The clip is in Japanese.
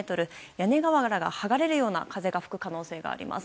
屋根瓦が剥がれるような風が吹く可能性があります。